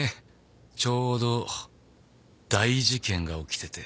ちょうど大事件が起きてて。